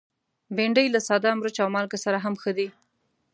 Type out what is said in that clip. بېنډۍ له ساده مرچ او مالګه سره هم ښه ده